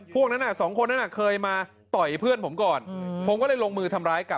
พวกนั้นทำ๒คนเคยมาต่อยเพื่อนผมก่อนผมเขาให้ลงมือทำร้ายกับ